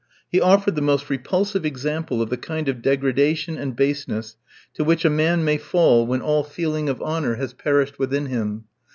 He offered the most repulsive example of the kind of degradation and baseness to which a man may fall when all feeling of honour has perished within him.